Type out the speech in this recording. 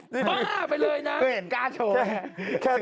บ้าไปเลยนะ